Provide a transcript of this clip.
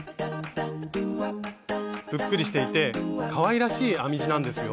ぷっくりしていてかわいらしい編み地なんですよ。